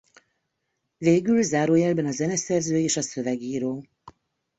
Végül zárójelben a zeneszerző és a szövegíró.